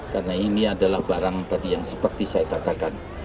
karena ini adalah barang tadi yang seperti saya katakan